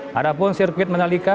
padahal sirkuit mandalika